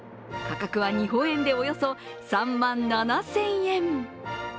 価格は日本円でおよそ３万７０００円。